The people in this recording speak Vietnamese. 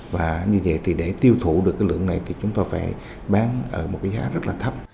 và như vậy thì để tiêu thụ được lượng này thì chúng tôi phải bán ở một giá rất là thấp